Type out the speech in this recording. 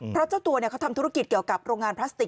เพราะเจ้าตัวเขาทำธุรกิจเกี่ยวกับโรงงานพลาสติก